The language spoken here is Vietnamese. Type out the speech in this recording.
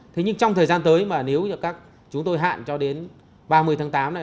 thế nhưng trong thời gian tới mà nếu như các chúng tôi hạn cho đến ba mươi tháng tám này